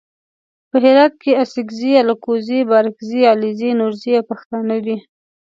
په هرات کې اڅګزي الکوزي بارګزي علیزي نورزي او پښتانه دي.